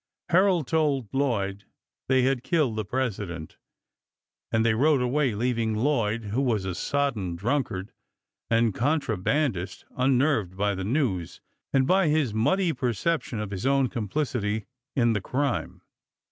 Herold told Lloyd they had killed the President, and they rode away, leaving Lloyd, who was a sodden drunkard and contrabandist, unnerved by the news and by his muddy perception of his own complicity in the crime.